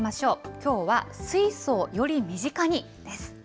きょうは水素をより身近にです。